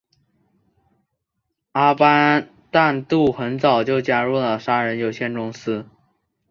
阿班旦杜很早就加入了杀人有限公司。